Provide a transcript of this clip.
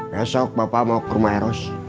besok bapak mau ke rumah eros